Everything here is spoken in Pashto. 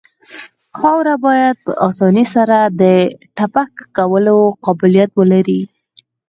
خاوره باید په اسانۍ سره د تپک کولو قابلیت ولري